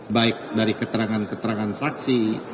baik dari keterangan keterangan saksi